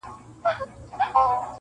شین سهار وو د مخلوق جوپې راتللې-